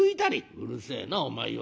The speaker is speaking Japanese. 「うるせえなお前は。